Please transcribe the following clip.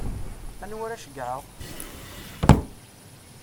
Anwa ara ceggɛeɣ?